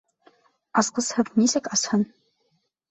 Асҡысһыҙ нисек асһын?